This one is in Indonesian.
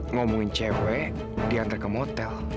ngomongin cewek diantar ke hotel